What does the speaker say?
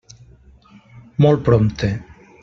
Molt prompte.